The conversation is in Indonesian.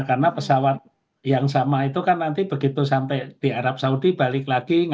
karena pesawat yang sama itu kan nanti begitu sampai di arab saudi balik lagi